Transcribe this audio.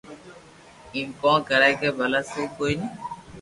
ايم ڪون ڪري ڪر ڀلي سھي ڪوئي ني